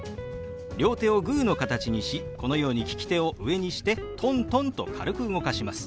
両手をグーの形にしこのように利き手を上にしてトントンと軽く動かします。